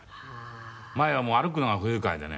前はもう歩くのが不愉快でね。